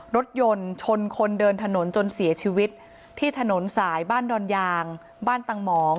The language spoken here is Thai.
รถยนต์ชนคนเดินถนนจนเสียชีวิตที่ถนนสายบ้านดอนยางบ้านตังหมอง